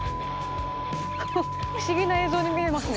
「不思議な映像に見えますね」